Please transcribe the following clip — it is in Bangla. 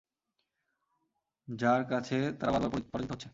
যার কাছে তারা বারবার পরাজিত হচ্ছে।